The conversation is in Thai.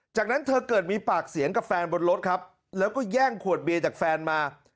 จากนั้นเธอเกิดมีปากเสียงกับแฟนบนรถครับแล้วก็แย่งขวดเบียร์จากแฟนมา